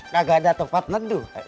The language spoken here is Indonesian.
gak ada tepat tepat